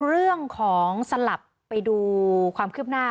เรื่องของสลับไปดูความคืบหน้า